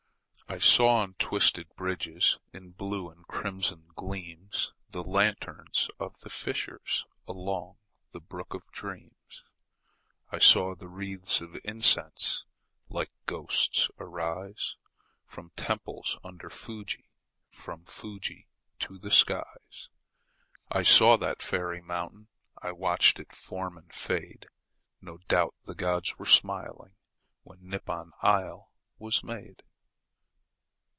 I saw, on twisted bridges, In blue and crimson gleams, The lanterns of the fishers, Along the brook of dreams. I saw the wreathes of incense Like little ghosts arise, From temples under Fuji, From Fuji to the skies. I saw that fairy mountain. ... I watched it form and fade. No doubt the gods were smiling, When Nippon isle was made.